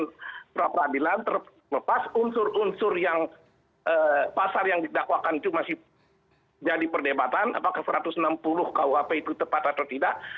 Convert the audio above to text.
kemudian pra peradilan terlepas unsur unsur yang pasar yang didakwakan itu masih jadi perdebatan apakah satu ratus enam puluh kuap itu tepat atau tidak